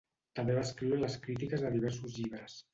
També va escriure les crítiques de diversos llibres.